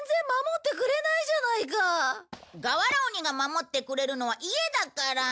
ガワラオニが守ってくれるのは家だから。